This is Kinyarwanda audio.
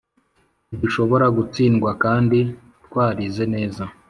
Ntidushobora gutsindwa kandi twarize neza